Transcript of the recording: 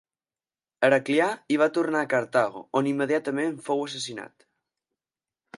Heraclià i va tornar a Cartago on immediatament fou assassinat.